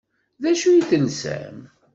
D acu i telsam?